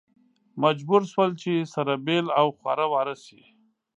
مجبور شول چې سره بېل او خواره واره شي.